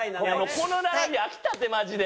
この並び飽きたってマジで！